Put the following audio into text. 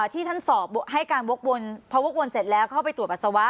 ที่ท่านศอบให้การวกวลเพราะวกวลเสร็จแล้วเข้าไปตรวจปศวะ